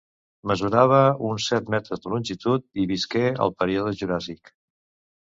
Mesurava uns set metres de longitud i visqué al període Juràssic.